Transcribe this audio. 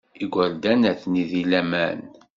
Igerdan atni deg laman.